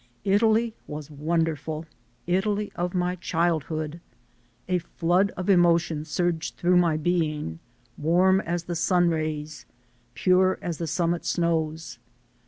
Italy was won derful; Italy of my childhood. A flood of emotion surged through my being, warm as the sun rays, pure as the summit snows.